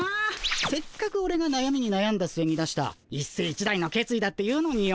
せっかくオレがなやみになやんだすえに出した一世一代の決意だっていうのによ。